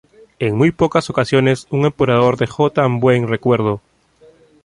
En muy pocas ocasiones un emperador dejó tan buen recuerdo.